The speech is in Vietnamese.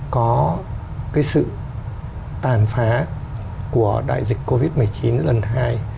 có cái sự tàn phá của đại dịch covid một mươi chín lần hai